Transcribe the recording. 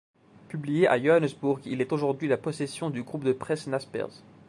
Publié à Johannesburg, il est aujourd'hui la possession du groupe de presse Naspers.